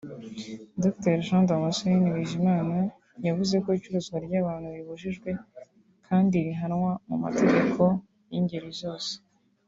Dr Jean Damasacene Bizimana yavuze ko icuruzwa ry’abantu ribujijwe kandi rihanwa mu matageklo y’ingeri zose